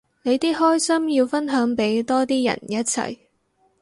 你啲開心要分享俾多啲人一齊